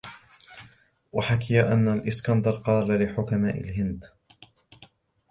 وَحُكِيَ أَنَّ الْإِسْكَنْدَرَ قَالَ لِحُكَمَاءِ الْهِنْدِ